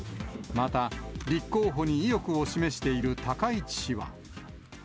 また立候補に意欲を示している高市氏は。